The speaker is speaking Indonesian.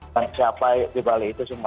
dan siapa di bali itu cuma